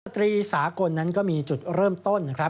ตรีสากลนั้นก็มีจุดเริ่มต้นนะครับ